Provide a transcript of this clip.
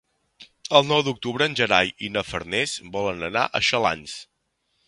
El nou d'octubre en Gerai i na Farners volen anar a Xalans.